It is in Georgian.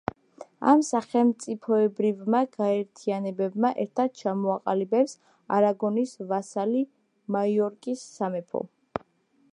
ამ სახელმწიფოებრივმა გაერთიანებებმა ერთად ჩამოაყალიბეს არაგონის ვასალი მაიორკის სამეფო.